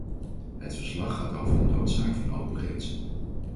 Het verslag gaat over de noodzaak van open grenzen.